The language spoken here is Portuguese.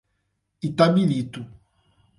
Itabirito